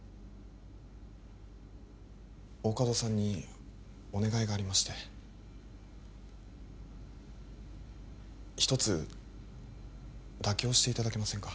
大加戸さんにお願いがありまして一つ妥協していただけませんか？